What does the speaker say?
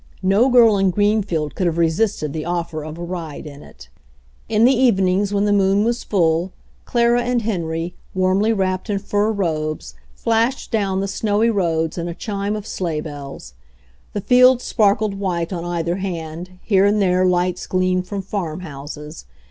No girl in Greenfield could have resisted the offer of a ride in it. In the evenings when the moon was full Clara and Henry, warmly wrapped in fur robes, flashed down the snowy roads in a chime of sleighbells. The fields sparkled white on either hand, here and there lights gleamed from farm houses.